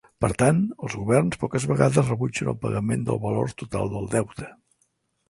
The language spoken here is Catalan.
Per tant, els governs poques vegades rebutgen el pagament del valor total del deute.